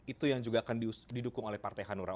itu yang juga akan didukung oleh partai hanura